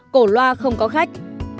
cổ loa không có khách